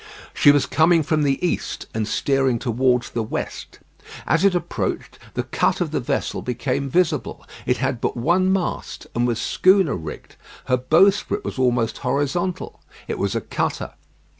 She was coming from the east and steering towards the west. As it approached the cut of the vessel became visible. It had but one mast, and was schooner rigged. Her bowsprit was almost horizontal. It was a cutter.